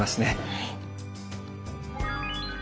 はい。